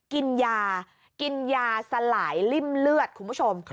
กินยากินยาสลายริ่มเลือดคุณผู้ชม